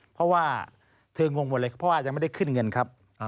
เพราะว่าเธองงหมดเลยเพราะว่ายังไม่ได้ขึ้นเงินครับ